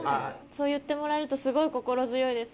そう言ってもらえるとすごい心強いです。